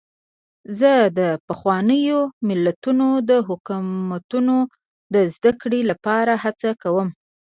زه د پخوانیو متلونو او حکمتونو د زدهکړې لپاره هڅه کوم.